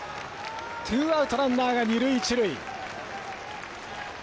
ツーアウトランナーが二塁、一塁。